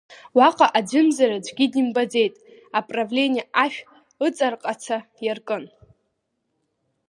Уаҟа аӡәымзар аӡәгьы димбаӡеит, аправление ашә ыҵарҟаца иаркын.